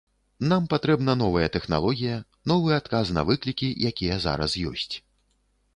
Нам патрэбна новая тэхналогія, новы адказ на выклікі, якія зараз ёсць.